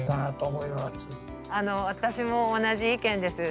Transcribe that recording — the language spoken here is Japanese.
私も同じ意見です。